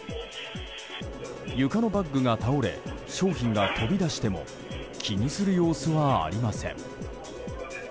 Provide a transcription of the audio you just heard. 床のバッグが倒れ商品が飛び出しても気にする様子はありません。